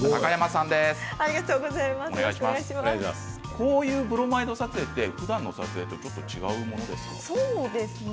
こういうブロマイド撮影はふだんの撮影とは違うものですか。